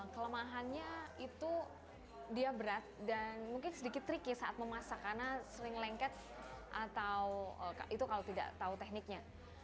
kelemahannya itu dia berat dan mungkin sedikit tricky saat memasak karena sering lengket atau itu kalau tidak tahu tekniknya